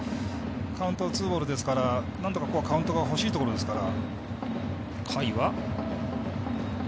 カウントツーボールですからなんとかカウントが欲しいところですから。